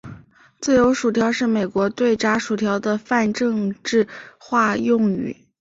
自由薯条是美国对炸薯条的泛政治化用语。